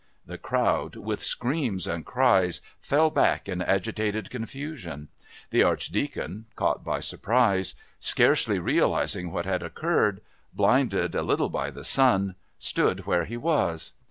The crowd, with screams and cries, fell back in agitated confusion. The Archdeacon, caught by surprise, scarcely realising what had occurred, blinded a little by the sun, stood where he was.